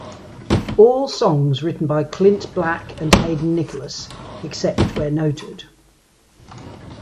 All songs written by Clint Black and Hayden Nicholas, except where noted.